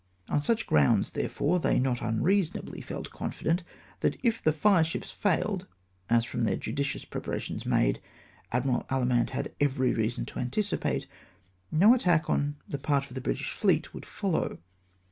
On such grounds, therefore, they not unreasonably felt con fident that, if the fireships failed, as from the judicious preparations made, Admiral Allemand had every reason to anticipate, no attack on the part of the British fleet would follow.